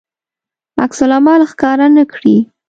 عکس العمل ښکاره نه کړي.